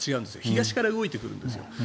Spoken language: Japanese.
東から動いてくるんですよ。